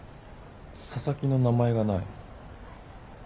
佐々木の名前がない。